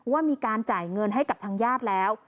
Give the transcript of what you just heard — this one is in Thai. ว่ามีการจ่ายเงินให้กับทางญาติแล้ว